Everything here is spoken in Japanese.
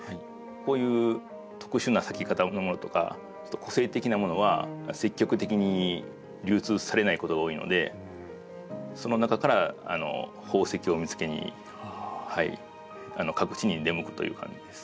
こういう特殊な咲き方のものとかちょっと個性的なものは積極的に流通されないことが多いのでその中から宝石を見つけに各地に出向くという感じです。